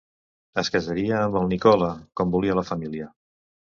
Es casaria amb el Nicola, com volia la família...